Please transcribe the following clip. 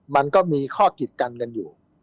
มันก็มีข้อกิดกันกันอยู่